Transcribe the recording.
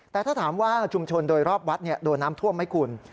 แต่ถ้าถามว่าชุมชนโดยรอบวัดโดนน้ำท่วมไหมคุณ